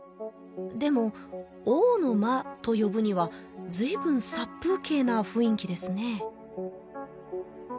でも「王の間」と呼ぶには随分殺風景な雰囲気ですね